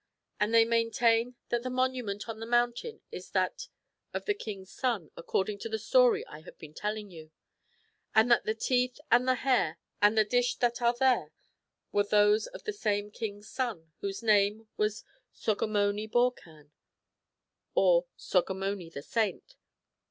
And they maintain that the monument on the mountain is that of the king's son, according to the story I have been telling you ; and that the teeth, and the hair, and the dish that are there were those of the same king's son, whose name was Sogomoni Borcan, or Sogomoni the Saint.